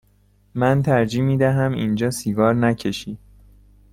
من ترجیح می دهم اینجا سیگار نکشی.